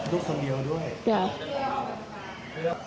ลูกคนเดียวด้วย